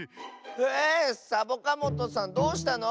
えサボカもとさんどうしたの？